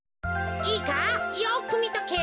いいかよくみとけよ。